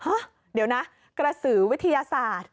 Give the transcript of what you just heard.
ฮะเดี๋ยวนะกระสือวิทยาศาสตร์